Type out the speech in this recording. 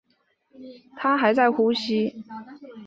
她还在呼吸